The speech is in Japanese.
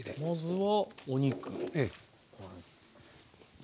まずはお肉。